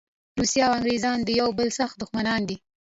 روسیه او انګریزان د یوه بل سخت دښمنان دي.